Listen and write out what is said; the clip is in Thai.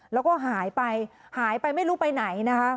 แล้วก็หายไปหายไปไม่รู้ไปไหนนะคะ